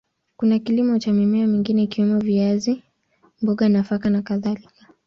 Kuna kilimo cha mimea mingine ikiwemo viazi, mboga, nafaka na kadhalika.